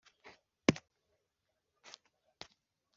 uriya mugore akunda gutebya